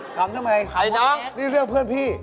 ใครน้องนี่เรื่องเพื่อนพี่